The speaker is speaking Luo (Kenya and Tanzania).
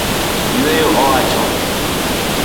Yueyo oa chon